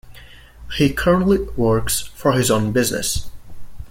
He currently works for his own business.